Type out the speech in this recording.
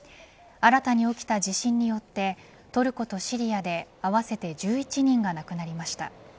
新たに起きた地震によってトルコとシリアで合わせて１１人が亡くなりました。